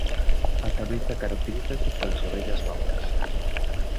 A cabeza caracterízase polas orellas longas.